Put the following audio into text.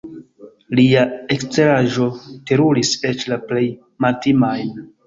Lia eksteraĵo teruris eĉ la plej maltimajn.